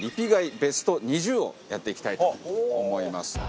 ベスト２０をやっていきたいと思います。